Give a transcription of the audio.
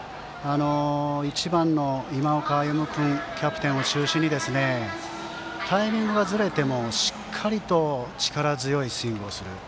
１番の今岡歩夢君キャプテンを中心にタイミングがずれてもしっかりと力強いスイングをする。